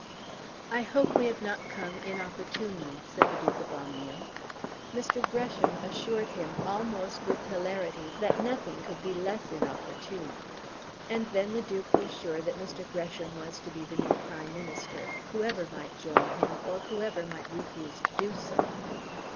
"I hope we have not come inopportunely," said the Duke of Omnium. Mr. Gresham assured him almost with hilarity that nothing could be less inopportune; and then the Duke was sure that Mr. Gresham was to be the new Prime Minister, whoever might join him or whoever might refuse to do so.